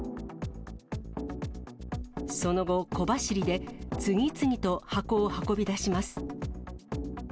その後、小走りで次々と箱を運び出します。